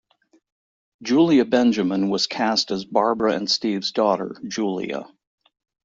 Julia Benjamin was cast as Barbara and Steve's daughter, Julia.